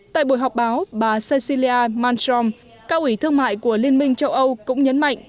tại buổi họp báo bà cecilia malshom cao ủy thương mại của liên minh châu âu cũng nhấn mạnh